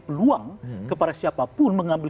peluang kepada siapapun mengambil